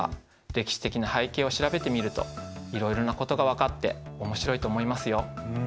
歴史的な背景を調べてみるといろいろなことが分かって面白いと思いますよ。